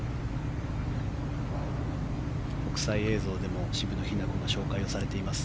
国際映像でも渋野日向子が紹介されています。